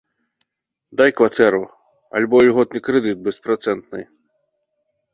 Дай кватэру альбо ільготны крэдыт беспрацэнтны.